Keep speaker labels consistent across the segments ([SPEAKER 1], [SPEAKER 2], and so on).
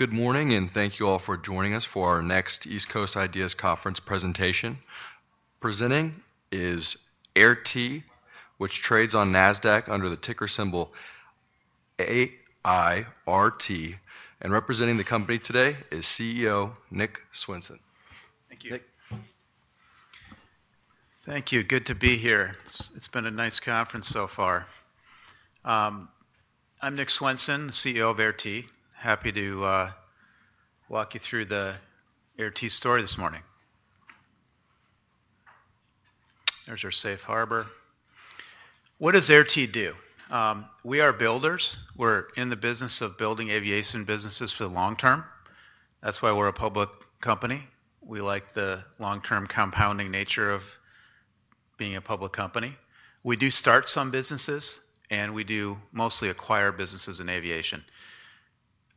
[SPEAKER 1] Good morning, and thank you all for joining us for our next East Coast Ideas Conference Presentation. Presenting is Air T, which trades on NASDAQ under the ticker symbol AIRT. Representing the company today is CEO Nick Swenson.
[SPEAKER 2] Thank you.
[SPEAKER 3] Thank you. Good to be here. It's been a nice conference so far. I'm Nick Swenson, CEO of Air T. Happy to walk you through the Air T story this morning. There's our safe harbor. What does Air T do? We are builders. We're in the business of building aviation businesses for the long term. That's why we're a public company. We like the long-term compounding nature of being a public company. We do start some businesses, and we do mostly acquire businesses in aviation.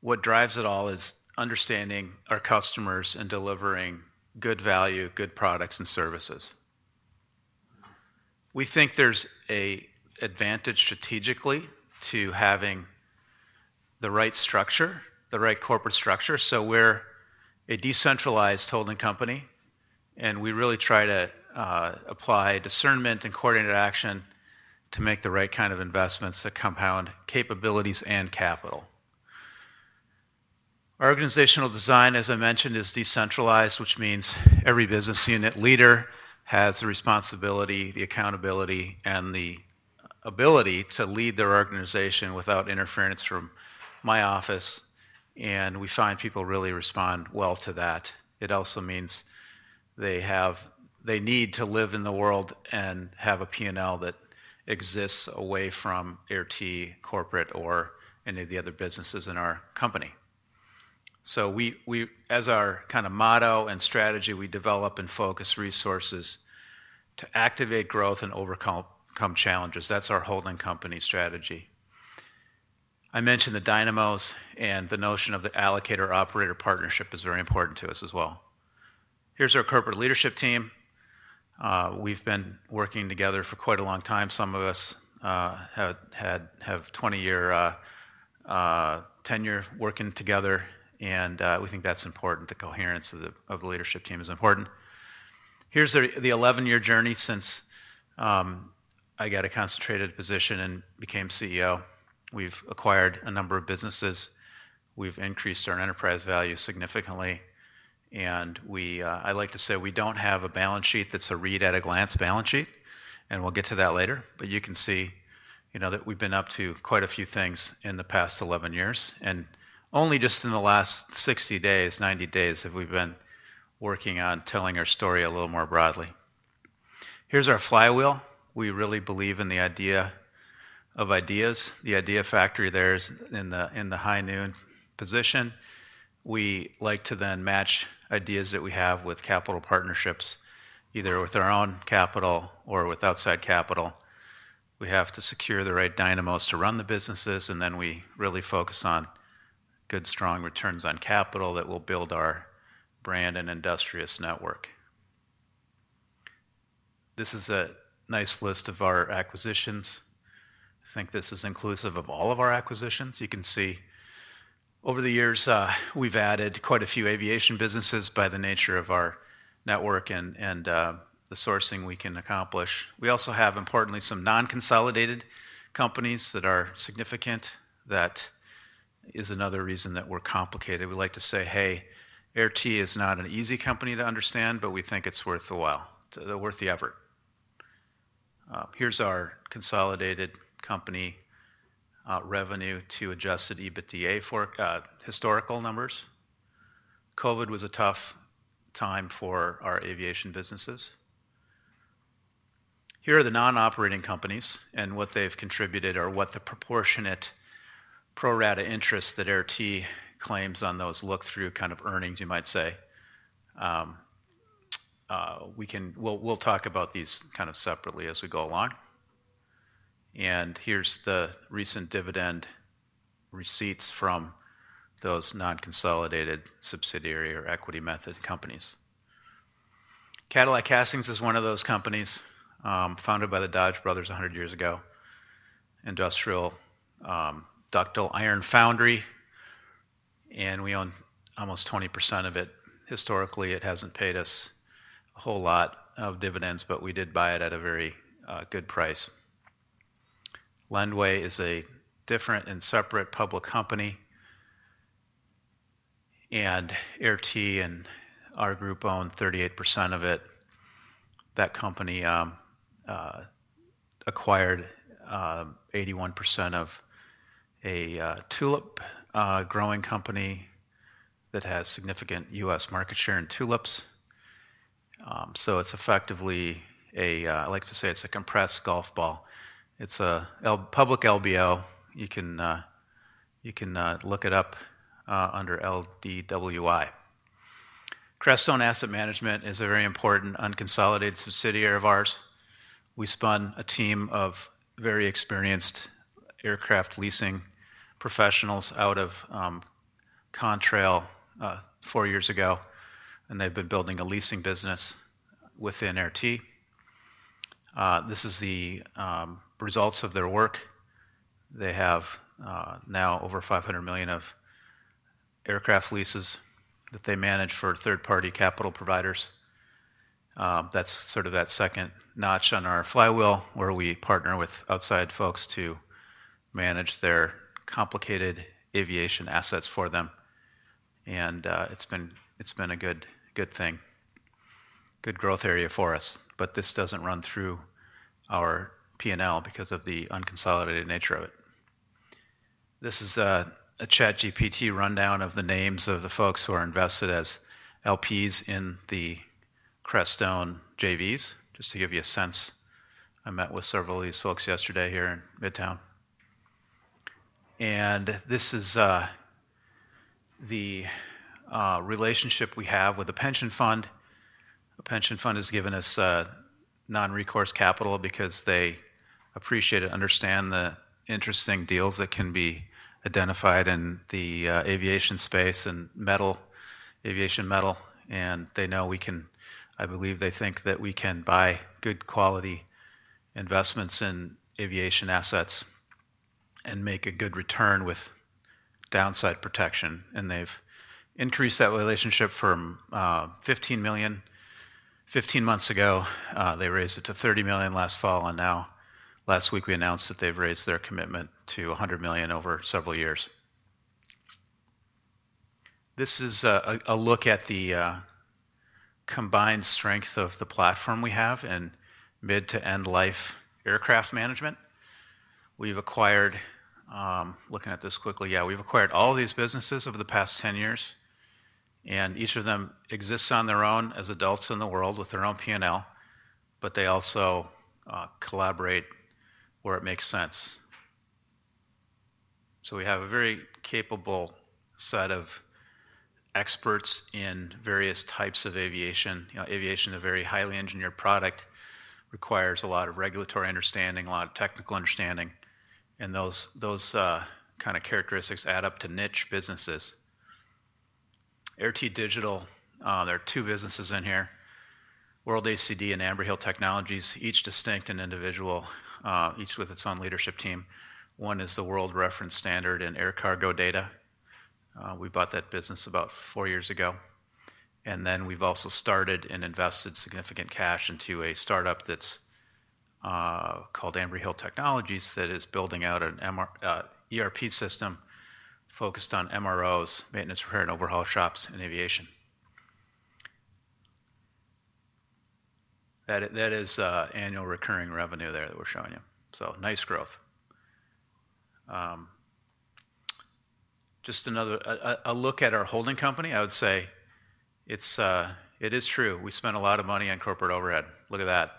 [SPEAKER 3] What drives it all is understanding our customers and delivering good value, good products, and services. We think there's an advantage strategically to having the right structure, the right corporate structure. We are a decentralized holding company, and we really try to apply discernment and coordinated action to make the right kind of investments that compound capabilities and capital. Organizational design, as I mentioned, is decentralized, which means every business unit leader has the responsibility, the accountability, and the ability to lead their organization without interference from my office. We find people really respond well to that. It also means they need to live in the world and have a P&L that exists away from Air T, corporate, or any of the other businesses in our company. As our kind of motto and strategy, we develop and focus resources to activate growth and overcome challenges. That is our holding company strategy. I mentioned the dynamos and the notion of the allocator-operator partnership is very important to us as well. Here is our corporate leadership team. We have been working together for quite a long time. Some of us have 20-year tenure working together, and we think that is important. The coherence of the leadership team is important. Here's the 11-year journey since I got a concentrated position and became CEO. We've acquired a number of businesses. We've increased our enterprise value significantly. I like to say we don't have a balance sheet that's a read-at-a-glance balance sheet, and we'll get to that later. You can see that we've been up to quite a few things in the past 11 years. Only just in the last 60 days, 90 days, have we been working on telling our story a little more broadly. Here's our flywheel. We really believe in the idea of ideas. The idea factory there is in the high noon position. We like to then match ideas that we have with capital partnerships, either with our own capital or with outside capital. We have to secure the right dynamos to run the businesses, and then we really focus on good, strong returns on capital that will build our brand and industrious network. This is a nice list of our acquisitions. I think this is inclusive of all of our acquisitions. You can see over the years we've added quite a few aviation businesses by the nature of our network and the sourcing we can accomplish. We also have, importantly, some non-consolidated companies that are significant. That is another reason that we're complicated. We like to say, "Hey, Air T is not an easy company to understand, but we think it's worth the effort." Here's our consolidated company revenue to adjusted EBITDA for historical numbers. COVID was a tough time for our aviation businesses. Here are the non-operating companies and what they've contributed or what the proportionate pro-rata interest that Air T claims on those look-through kind of earnings, you might say. We'll talk about these kind of separately as we go along. Here is the recent dividend receipts from those non-consolidated subsidiary or equity method companies. Cadillac Castings is one of those companies founded by the Dodge brothers 100 years ago. Industrial ductile iron foundry. We own almost 20% of it. Historically, it hasn't paid us a whole lot of dividends, but we did buy it at a very good price. Lendway is a different and separate public company. Air T and our group own 38% of it. That company acquired 81% of a tulip growing company that has significant U.S. market share in tulips. It is effectively, I like to say, a compressed golf ball. It is a public LBO. You can look it up under LDWI. Crestone Asset Management is a very important unconsolidated subsidiary of ours. We spun a team of very experienced aircraft leasing professionals out of Contrail four years ago, and they've been building a leasing business within Air T. This is the result of their work. They have now over $500 million of aircraft leases that they manage for third-party capital providers. That is sort of that second notch on our flywheel where we partner with outside folks to manage their complicated aviation assets for them. It has been a good thing, good growth area for us. This does not run through our P&L because of the unconsolidated nature of it. This is a ChatGPT rundown of the names of the folks who are invested as LPs in the Crestone JVs, just to give you a sense. I met with several of these folks yesterday here in Midtown. This is the relationship we have with a pension fund. A pension fund has given us non-recourse capital because they appreciate and understand the interesting deals that can be identified in the aviation space and aviation metal. They know we can, I believe they think that we can buy good quality investments in aviation assets and make a good return with downside protection. They have increased that relationship from $15 million 15 months ago. They raised it to $30 million last fall. Now, last week, we announced that they have raised their commitment to $100 million over several years. This is a look at the combined strength of the platform we have in mid-to-end-life aircraft management. We have acquired, looking at this quickly, yeah, we have acquired all these businesses over the past 10 years. Each of them exists on their own as adults in the world with their own P&L, but they also collaborate where it makes sense. We have a very capable set of experts in various types of aviation. Aviation, a very highly engineered product, requires a lot of regulatory understanding, a lot of technical understanding. Those kind of characteristics add up to niche businesses. Air T Digital, there are two businesses in here, WorldACD and Ambry Hill Technologies, each distinct and individual, each with its own leadership team. One is the world reference standard in air cargo data. We bought that business about four years ago. We have also started and invested significant cash into a startup that's called Ambry Hill Technologies that is building out an ERP system focused on MROs, maintenance, repair, and overhaul shops in aviation. That is annual recurring revenue there that we're showing you. So nice growth. Just another look at our holding company. I would say it is true. We spent a lot of money on corporate overhead. Look at that.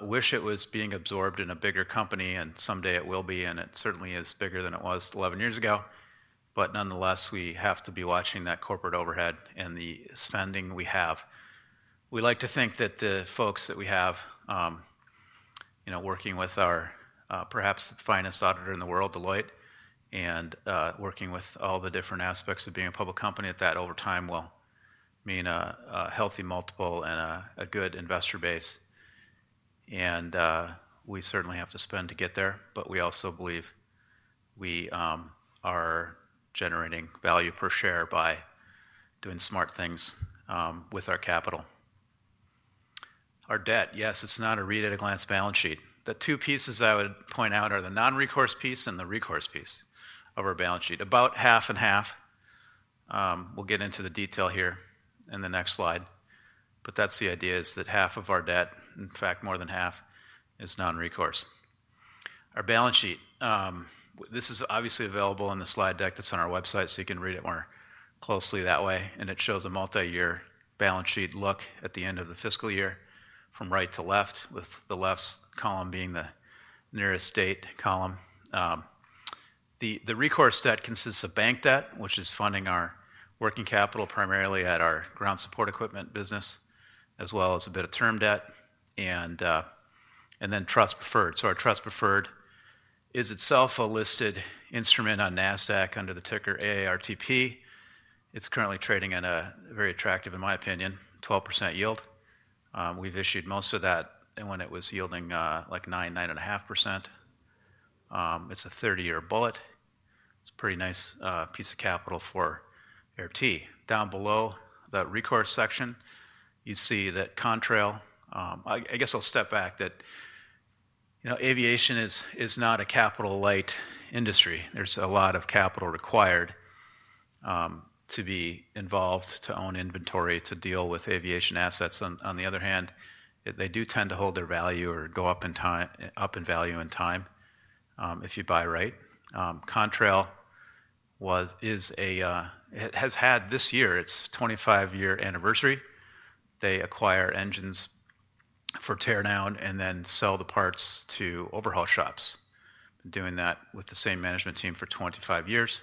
[SPEAKER 3] Wish it was being absorbed in a bigger company, and someday it will be. It certainly is bigger than it was 11 years ago. Nonetheless, we have to be watching that corporate overhead and the spending we have. We like to think that the folks that we have working with our perhaps finest auditor in the world, Deloitte, and working with all the different aspects of being a public company at that over time will mean a healthy multiple and a good investor base. We certainly have to spend to get there, but we also believe we are generating value per share by doing smart things with our capital. Our debt, yes, it's not a read-at-a-glance balance sheet. The two pieces I would point out are the non-recourse piece and the recourse piece of our balance sheet. About half and half. We'll get into the detail here in the next slide. That's the idea is that half of our debt, in fact, more than half, is non-recourse. Our balance sheet, this is obviously available in the slide deck that's on our website, so you can read it more closely that way. It shows a multi-year balance sheet look at the end of the fiscal year from right to left, with the left column being the nearest date column. The recourse debt consists of bank debt, which is funding our working capital primarily at our ground equipment sales business, as well as a bit of term debt, and then trust preferred. Our trust preferred is itself a listed instrument on NASDAQ under the ticker AIRTP. It is currently trading at a very attractive, in my opinion, 12% yield. We have issued most of that when it was yielding like 9%-9.5%. It is a 30-year bullet. It is a pretty nice piece of capital for Air T. Down below the recourse section, you see that Contrail, I guess I will step back, that aviation is not a capital-light industry. There is a lot of capital required to be involved, to own inventory, to deal with aviation assets. On the other hand, they do tend to hold their value or go up in value in time if you buy right. Contrail has had this year, its 25-year anniversary. They acquire engines for tear down and then sell the parts to overhaul shops. Been doing that with the same management team for 25 years.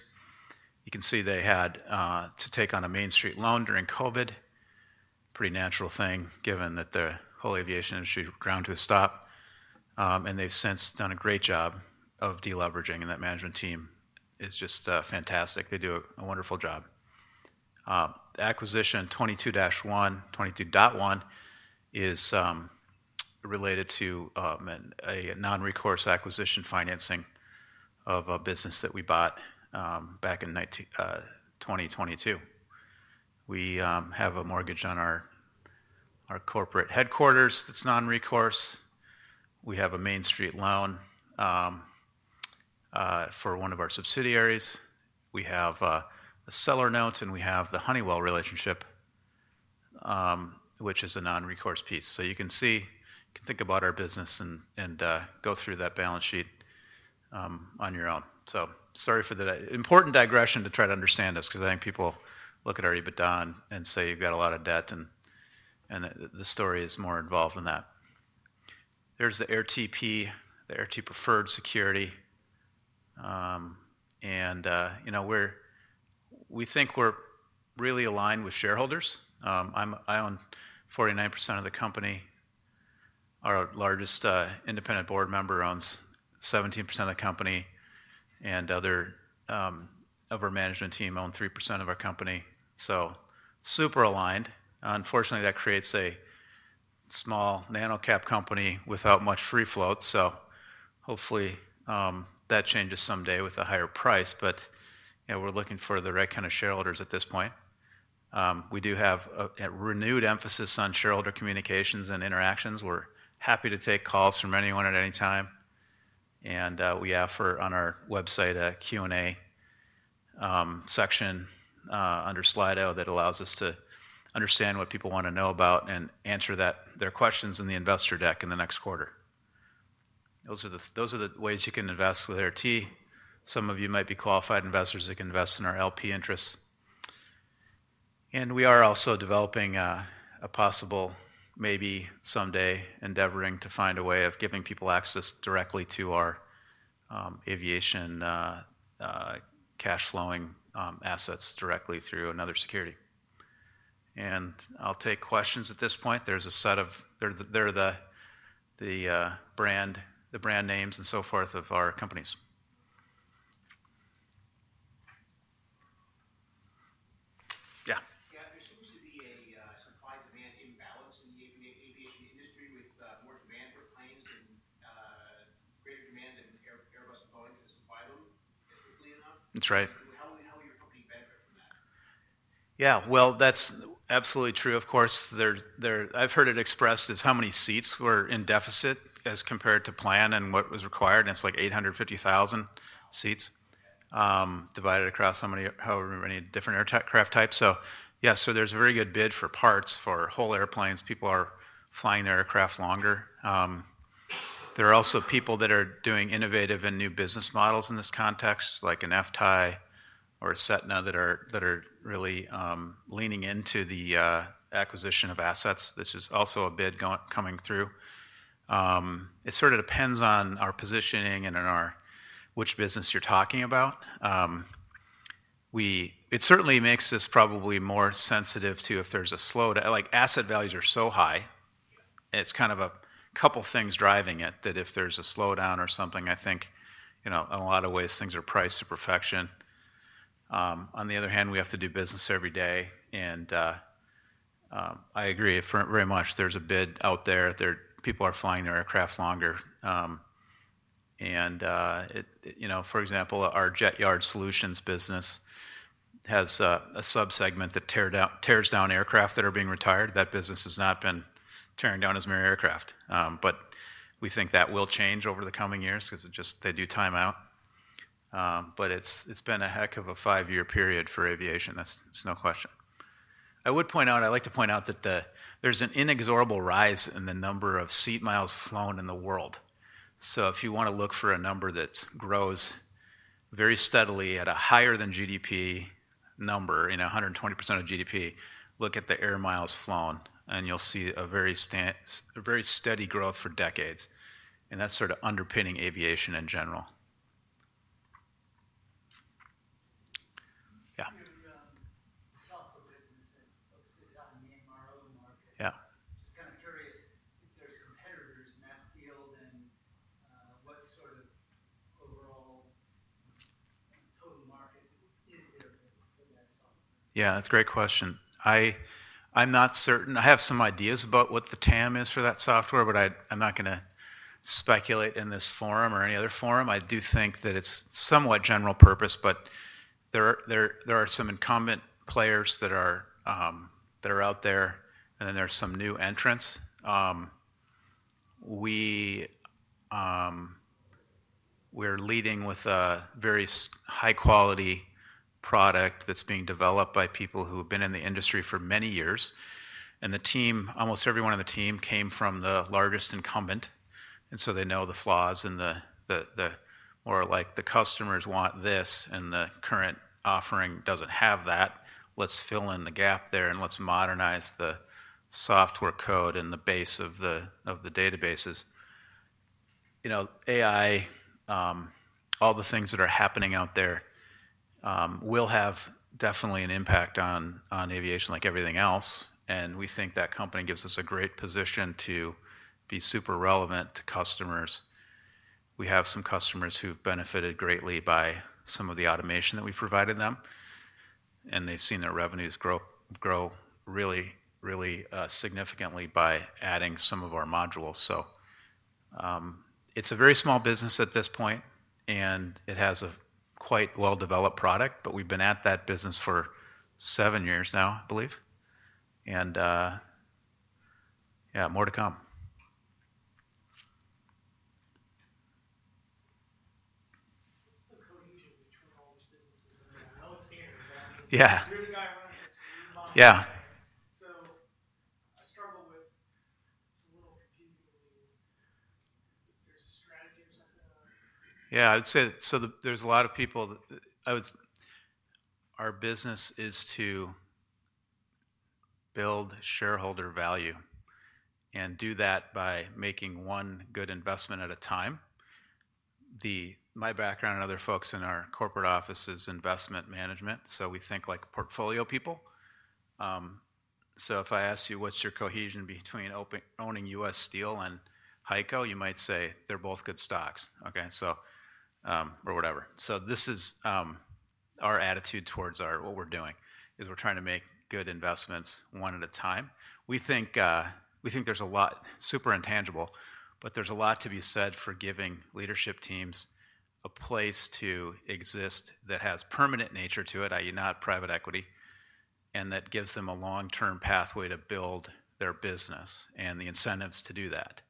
[SPEAKER 3] You can see they had to take on a Main Street loan during COVID, pretty natural thing given that the whole aviation industry ground to a stop. They have since done a great job of deleveraging, and that management team is just fantastic. They do a wonderful job. Acquisition 22-1, 22.1 is related to a non-recourse acquisition financing of a business that we bought back in 2022. We have a mortgage on our corporate headquarters that is non-recourse. We have a Main Street loan for one of our subsidiaries. We have a seller note, and we have the Honeywell relationship, which is a non-recourse piece. You can see, you can think about our business and go through that balance sheet on your own. Sorry for the important digression to try to understand this because I think people look at our EBITDA and say you've got a lot of debt, and the story is more involved than that. There's the AIRTP, the Air T preferred security. We think we're really aligned with shareholders. I own 49% of the company. Our largest independent board member owns 17% of the company, and other of our management team own 3% of our company. Super aligned. Unfortunately, that creates a small nano cap company without much free float. Hopefully that changes someday with a higher price. We're looking for the right kind of shareholders at this point. We do have a renewed emphasis on shareholder communications and interactions. We're happy to take calls from anyone at any time. We offer on our website a Q&A section under Slido that allows us to understand what people want to know about and answer their questions in the investor deck in the next quarter. Those are the ways you can invest with Air T. Some of you might be qualified investors that can invest in our LP interests. We are also developing a possible, maybe someday endeavoring to find a way of giving people access directly to our aviation cash flowing assets directly through another security. I'll take questions at this point. There are the brand names and so forth of our companies. Yeah.
[SPEAKER 2] There seems to be a supply-demand imbalance in the aviation industry with more demand for planes and greater demand than Airbus and Boeing to the supply boom as quickly as that.
[SPEAKER 3] That's right.
[SPEAKER 2] How will your company benefit from that?
[SPEAKER 3] Yeah, that's absolutely true. Of course, I've heard it expressed as how many seats were in deficit as compared to plan and what was required. And it's like 850,000 seats divided across however many different aircraft types. Yes, there's a very good bid for parts for whole airplanes. People are flying their aircraft longer. There are also people that are doing innovative and new business models in this context, like an FTAI or a Setna that are really leaning into the acquisition of assets. This is also a bid coming through. It sort of depends on our positioning and which business you're talking about. It certainly makes this probably more sensitive to if there's a slowdown. Like asset values are so high, it's kind of a couple of things driving it that if there's a slowdown or something, I think in a lot of ways things are priced to perfection. On the other hand, we have to do business every day. I agree very much. There's a bid out there. People are flying their aircraft longer. For example, our Jet Yard solutions business has a subsegment that tears down aircraft that are being retired. That business has not been tearing down as many aircraft. We think that will change over the coming years because they do time out. It's been a heck of a five-year period for aviation. That's no question. I would point out, I like to point out that there's an inexorable rise in the number of seat miles flown in the world. If you want to look for a number that grows very steadily at a higher than GDP number, you know, 120% of GDP, look at the air miles flown, and you'll see a very steady growth for decades. That's sort of underpinning aviation in general. Yeah.
[SPEAKER 2] The software business that focuses on the MRO market.
[SPEAKER 3] Yeah.
[SPEAKER 2] Just kind of curious if there's competitors in that field and what sort of overall total market is there for that software.
[SPEAKER 3] Yeah, that's a great question. I'm not certain. I have some ideas about what the TAM is for that software, but I'm not going to speculate in this forum or any other forum. I do think that it's somewhat general purpose, but there are some incumbent players that are out there, and then there's some new entrants. We're leading with a very high-quality product that's being developed by people who have been in the industry for many years. Almost everyone on the team came from the largest incumbent. They know the flaws and the more like the customers want this and the current offering doesn't have that. Let's fill in the gap there and let's modernize the software code and the base of the databases. AI, all the things that are happening out there will have definitely an impact on aviation like everything else. We think that company gives us a great position to be super relevant to customers. We have some customers who've benefited greatly by some of the automation that we've provided them. They've seen their revenues grow really, really significantly by adding some of our modules. It's a very small business at this point, and it has a quite well-developed product, but we've been at that business for seven years now, I believe. Yeah, more to come.
[SPEAKER 2] What's the cohesion between all these businesses? I know it's here, but you're the guy running it.
[SPEAKER 3] Yeah.
[SPEAKER 2] I struggle with, it's a little confusing to me. There's a strategy or something.
[SPEAKER 3] Yeah, I'd say so. There's a lot of people. Our business is to build shareholder value and do that by making one good investment at a time. My background and other folks in our corporate office is investment management. We think like portfolio people. If I ask you, what's your cohesion between owning U.S. Steel and HEICO, you might say they're both good stocks, okay? Or whatever. This is our attitude towards what we're doing is we're trying to make good investments one at a time. We think there's a lot super intangible, but there's a lot to be said for giving leadership teams a place to exist that has permanent nature to it, i.e., not private equity, and that gives them a long-term pathway to build their business and the incentives to do that.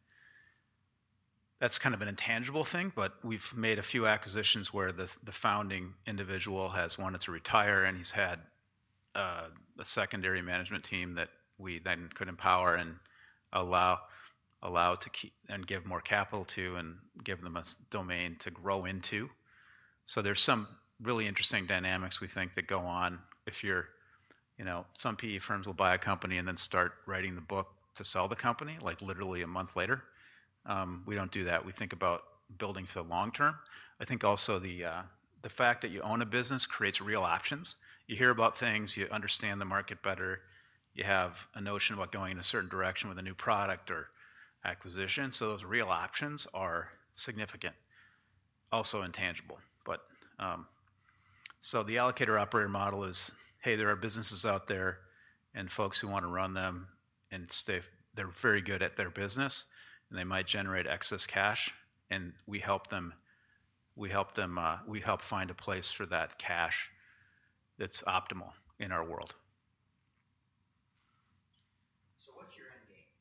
[SPEAKER 3] That's kind of an intangible thing, but we've made a few acquisitions where the founding individual has wanted to retire and he's had a secondary management team that we then could empower and allow to and give more capital to and give them a domain to grow into. There's some really interesting dynamics we think that go on. If you're some PE firms will buy a company and then start writing the book to sell the company like literally a month later. We don't do that. We think about building for the long term. I think also the fact that you own a business creates real options. You hear about things, you understand the market better, you have a notion about going in a certain direction with a new product or acquisition. So those real options are significant, also intangible. The allocator operator model is, hey, there are businesses out there and folks who want to run them and they're very good at their business and they might generate excess cash and we help them find a place for that cash that's optimal in our world.
[SPEAKER 2] So what's your end game?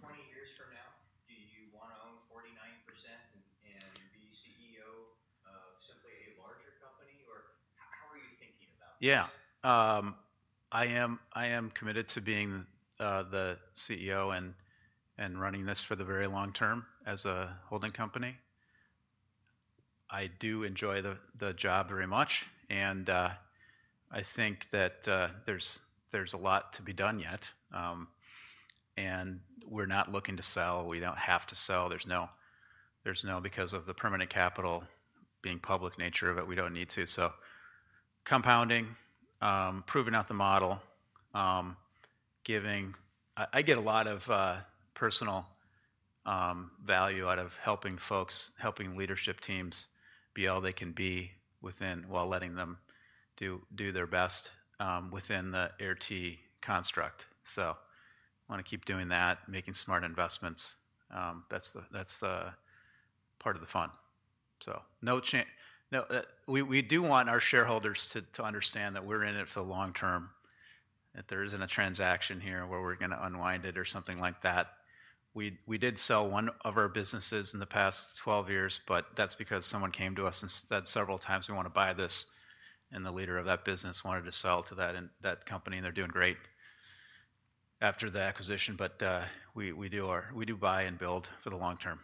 [SPEAKER 2] Twenty years from now, do you want to own 49% and be CEO of simply a larger company? Or how are you thinking about that?
[SPEAKER 3] Yeah. I am committed to being the CEO and running this for the very long term as a holding company. I do enjoy the job very much. I think that there's a lot to be done yet. We're not looking to sell. We don't have to sell. There's no, because of the permanent capital being public nature of it, we don't need to. Compounding, proving out the model, giving, I get a lot of personal value out of helping folks, helping leadership teams be all they can be while letting them do their best within the Air T construct. I want to keep doing that, making smart investments. That's part of the fun. We do want our shareholders to understand that we're in it for the long term, that there isn't a transaction here where we're going to unwind it or something like that. We did sell one of our businesses in the past 12 years, but that's because someone came to us and said several times we want to buy this. The leader of that business wanted to sell to that company, and they're doing great after the acquisition. We do buy and build for the long term.